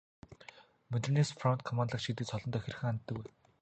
Модернист фронт командлагч гэдэг цолондоо хэрхэн ханддаг вэ?